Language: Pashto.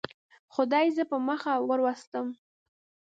خدای زه په مخه وروستم.